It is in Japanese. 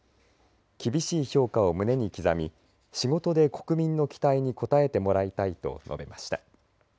厳しい評価を胸に刻み仕事で国民の期待に応えてもらいたいと述べました。